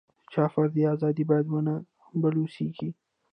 د چا فردي ازادي باید ونه بلوسېږي.